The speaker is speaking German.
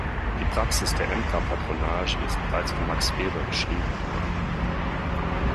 Die Praxis der Ämterpatronage ist bereits von Max Weber beschrieben worden.